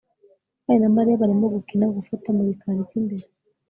ntwali na mariya barimo gukina gufata mu gikari cy'imbere